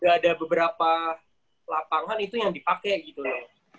ada beberapa lapangan itu yang dipakai gitu loh